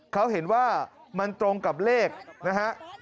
เขาเห็นว่ามันตรงกับเลขนะฮะ